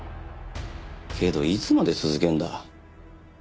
けどいつまで続けんだ？